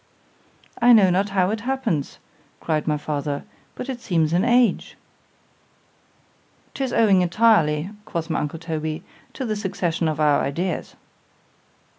——"I know not how it happens—cried my father,—but it seems an age." ——'Tis owing entirely, quoth my uncle Toby, to the succession of our ideas.